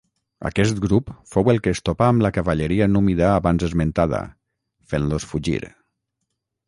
Aquest grup fou el que es topà amb la cavalleria númida abans esmentada, fent-los fugir.